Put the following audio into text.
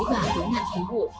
và cứu nạn cứu hộ